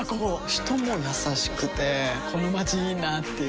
人も優しくてこのまちいいなぁっていう